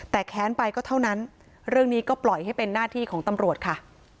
แต่แค้นไปก็เท่านั้นเรื่องนี้ก็ปล่อยให้เป็นหน้าที่ของตำรวจค่ะ